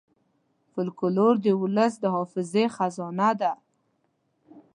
فلکور د ولس د حافظې خزانه ده.